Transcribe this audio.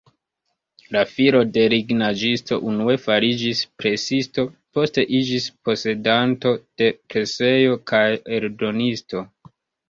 La filo de lignaĵisto unue fariĝis presisto, poste iĝis posedanto de presejo kaj eldonisto.